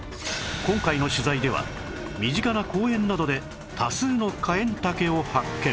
今回の取材では身近な公園などで多数のカエンタケを発見